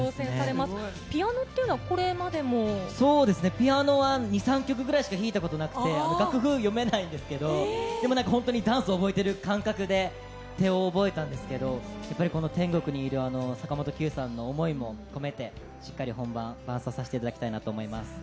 ピアノは、２、３曲ぐらいしか弾いたことなくて、楽譜読めないんですけど、でもなんか本当にダンス覚えてる感覚で手を覚えたんですけど、やっぱりこの天国にいる坂本九さんの思いも込めて、しっかり本番、伴奏させていただきたいなと思います。